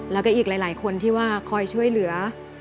แล้วก็อีกหลายคนที่ว่าคอยช่วยเหลือ